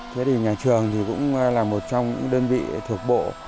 thế thì nhà trường thì cũng là một trong những đơn vị thuộc bộ